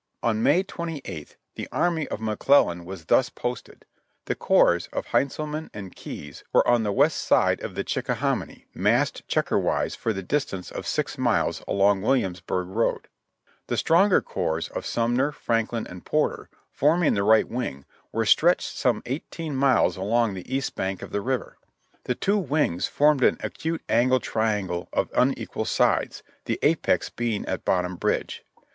THE BATTlvE OF SEVEN" FIXES 12/ On May 28th the army of McCIellan was thus posted; the corps of Heintzehnan and Keyes were on the west side of the Chickahominy, massed checker wise for the distance of six miles along Williamsburg road. The stronger corps of Sumner, FrankHn and Porter, forming the right wing, were stretched some eighteen miles along the east bank of the river. The two wings formed an acute angle triangle of unequal sides, the apex being at Bottom Bridge.